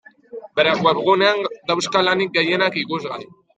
Bere webgunean dauzka lanik gehienak ikusgai.